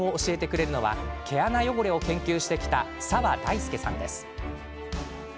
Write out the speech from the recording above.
原因を教えてくれるのは毛穴汚れを研究してきた澤大輔さんです。